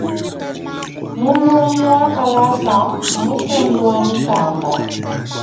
Mulongi wa kalasa mufundi wa mikanda.